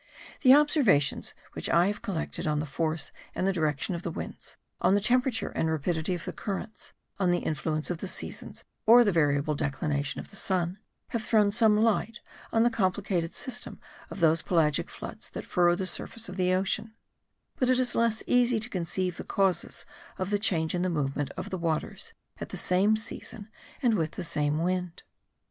The observations which I have collected on the force and direction of the winds, on the temperature and rapidity of the currents, on the influence of the seasons, or the variable declination of the sun, have thrown some light on the complicated system of those pelagic floods that furrow the surface of the ocean: but it is less easy to conceive the causes of the change in the movement of the waters at the same season and with the same wind.